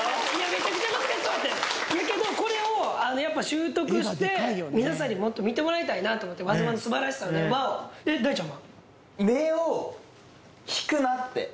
めちゃくちゃ難しそうやってんやけどこれを習得して皆さんにもっと見てもらいたいなと思って和妻の素晴らしさを和を大ちゃんは？